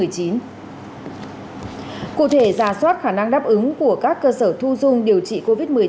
cụ thể giả soát khả năng đáp ứng của các cơ sở thu dung điều trị covid một mươi chín